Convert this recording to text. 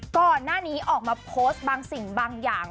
ก่อนหน้านี้ออกมาโพสต์บางสิ่งบางอย่าง